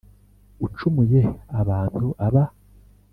ucumuye abantu aba.